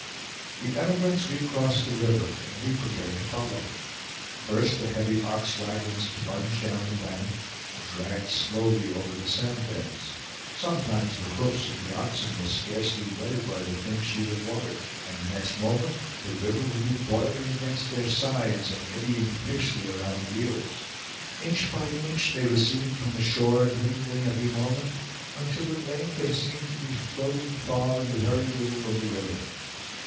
The emigrants re crossed the river, and we prepared to follow. First the heavy ox wagons plunged down the bank, and dragged slowly over the sand beds; sometimes the hoofs of the oxen were scarcely wetted by the thin sheet of water; and the next moment the river would be boiling against their sides, and eddying fiercely around the wheels. Inch by inch they receded from the shore, dwindling every moment, until at length they seemed to be floating far in the very middle of the river.